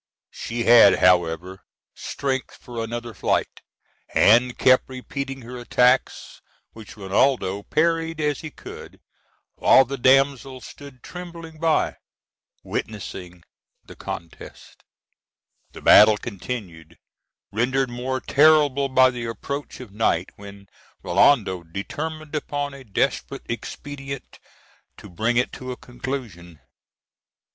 She had, however, strength for another flight, and kept repeating her attacks, which Rinaldo parried as he could, while the damsel stood trembling by, witnessing the contest. The battle continued, rendered more terrible by the approach of night, when Rinaldo determined upon a desperate expedient to bring it to a conclusion.